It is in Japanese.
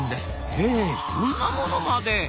へえそんなものまで。